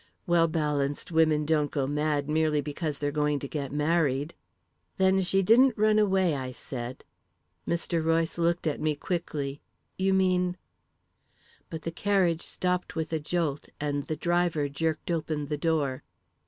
"Well balanced women don't go mad merely because they're going to get married." "Then she didn't run away," I said. Mr. Royce looked at me quickly. "You mean " But the carriage stopped with a jolt and the driver jerked open the door.